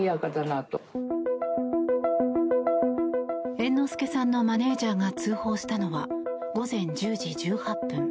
猿之助さんのマネジャーが通報したのは午前１０時１８分。